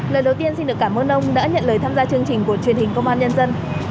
lời đầu tiên xin được cảm ơn ông đã nhận lời tham gia chương trình của truyền hình công an nhân dân